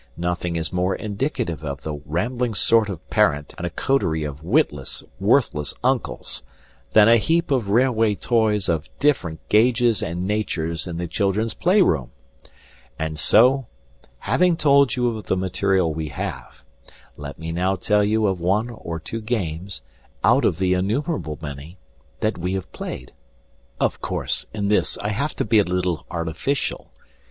Nothing is more indicative of the wambling sort of parent and a coterie of witless, worthless uncles than a heap of railway toys of different gauges and natures in the children's playroom. And so, having told you of the material we have, let me now tell you of one or two games (out of the innumerable many) that we have played. Of course, in this I have to be a little artificial.